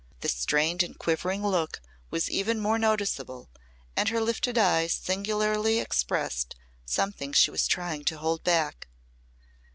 The strained and quivering look was even more noticeable and her lifted eyes singularly expressed something she was trying to hold back.